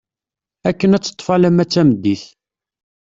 Akken ad teṭṭef alamma d tameddit.